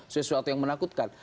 sesuatu yang menakutkan